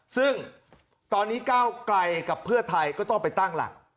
ซึ่งตอนนี้ก้าวไกลกับเพื่อไทยก็ต้องไปตั้งหลัก